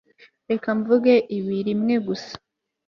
reka mvuge ibi rimwe gusa